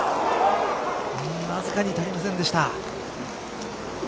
わずかに足りませんでした。